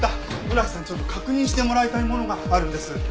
村木さんちょっと確認してもらいたいものがあるんです。